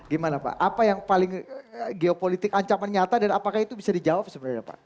gimana pak apa yang paling geopolitik ancaman nyata dan apakah itu bisa dijawab sebenarnya pak